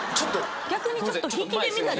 逆にちょっと引きで見たり。